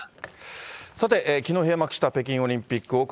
さて、きのう閉幕した北京オリンピック。